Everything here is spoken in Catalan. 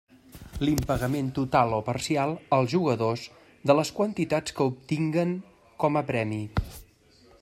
L'impagament total o parcial, als jugadors, de les quantitats que obtinguen com a premi.